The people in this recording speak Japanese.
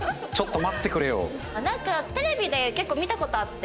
なんかテレビで結構見た事あって。